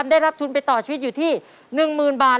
ได้รับทุนไปต่อชีวิตอยู่ที่๑๐๐๐บาท